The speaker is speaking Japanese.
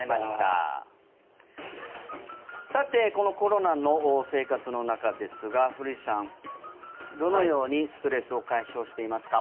さてこのコロナの生活の中ですが古市さん、どのようにストレスを解消していますか？